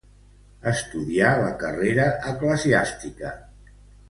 Estudià la carrera eclesiàstica.